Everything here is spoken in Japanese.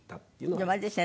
でもあれですね